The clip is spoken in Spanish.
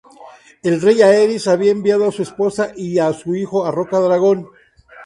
El rey Aerys había enviado a su esposa y a su hijo a Rocadragón.